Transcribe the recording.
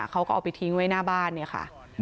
เขาก็เอาไปทิ้งไว้หน้าบ้านเนี่ยค่ะ